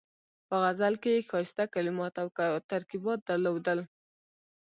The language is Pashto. په غزل کې یې ښایسته کلمات او ترکیبات درلودل.